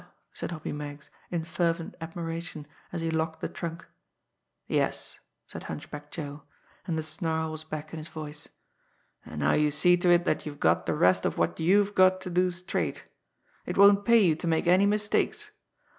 said Hoppy Meggs in fervent admiration, as he locked the trunk. "Yes," said Hunchback Joe and the snarl was back in his voice. "And now you see to it that you've got the rest of what you've got to do straight. It won't pay you to make any mistakes!